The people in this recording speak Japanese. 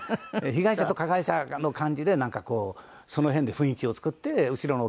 被害者と加害者の感じでなんかこうその辺で雰囲気を作って後ろのお客様に伝えるという。